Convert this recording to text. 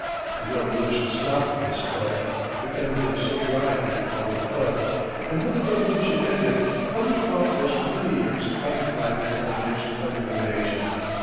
The Revolution stopped this flood if anything so dry can be called a flood and when the Revolution ended, public thought was for many years occupied with the formation of the new nation.